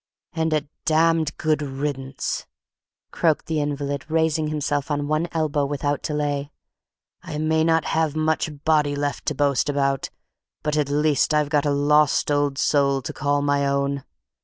"And a damned good riddance!" croaked the invalid, raising himself on one elbow without delay. "I may not have much body left to boast about, but at least I've got a lost old soul to call my own.